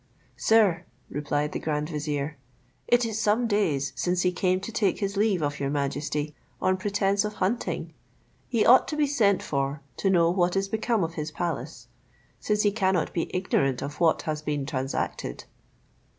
"Sir," replied the grand vizier, "it is some days since he came to take his leave of your majesty, on pretence of hunting; he ought to be sent for, to know what is become of his palace, since he cannot be ignorant of what has been transacted."